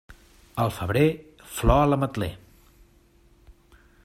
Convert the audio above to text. Al febrer, flor a l'ametler.